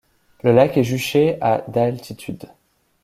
Le lac est juché à d'altitude.